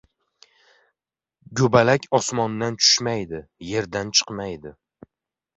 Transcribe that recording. Go‘balak osmondan tushmaydi, yerdan chiqmaydi.